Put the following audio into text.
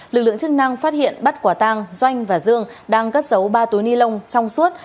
lực lượng chức năng phát hiện bắt quả tang doanh và dương đang cất dấu ba túi ni lông trong suốt